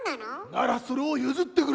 ならそれを譲ってくれ。